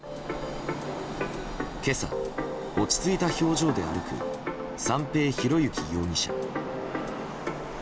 今朝、落ち着いた表情で歩く三瓶博幸容疑者。